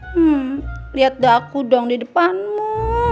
hmm lihat gak aku dong di depanmu